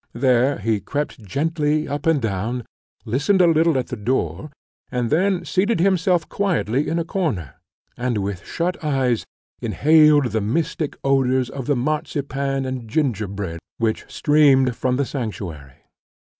There he crept gently up and down, listened a little at the door, and then seated himself quietly in a corner, and with shut eyes inhaled the mystic odours of the marchpane and gingerbread which streamed from the sanctuary.